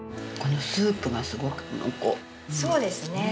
そうですね。